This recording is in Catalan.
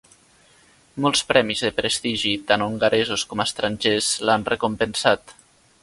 Molts premis de prestigi, tant hongaresos com estrangers, l'han recompensat.